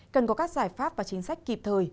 cần có các giải pháp và chính sách kịp thời